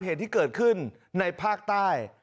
เหตุที่เกิดขึ้นในภาคใต้